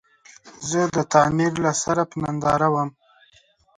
زه د تعمير له سره په ننداره ووم.